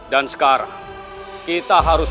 dan sekarang kita harus